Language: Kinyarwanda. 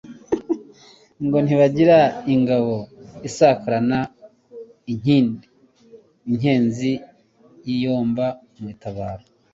Ngo ntibagira ingabo isakarana inkindi, inkenzi ziyomba mu itabaro